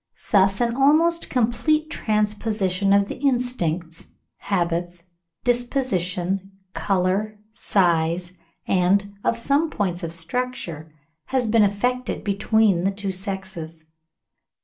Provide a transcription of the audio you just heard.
Thus an almost complete transposition of the instincts, habits, disposition, colour, size, and of some points of structure, has been effected between the two sexes.